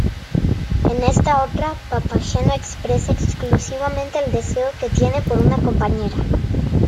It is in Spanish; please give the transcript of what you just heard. En esta otra, Papageno expresa exclusivamente el deseo que tiene por una compañera.